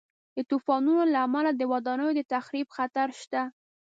د طوفانونو له امله د ودانیو د تخریب خطر شته.